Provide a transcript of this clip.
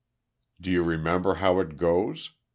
"Do you remember how it goes?"